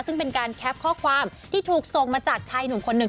ซึ่งเป็นการแคปข้อความที่ถูกส่งมาจากชายหนุ่มคนหนึ่ง